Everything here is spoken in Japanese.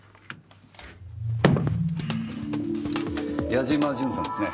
八嶋淳さんですね？